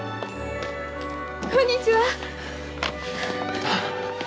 こんにちは。